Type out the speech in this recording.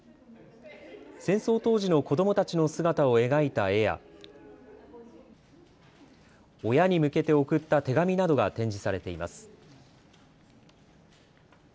戦争当時の子どもたちの姿を描いた絵や親に向けて送った手紙などが展示されています。